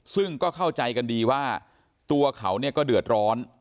ซึ่งก็เข้าใจกันดีว่าตัวเขาก็เดือดร้อน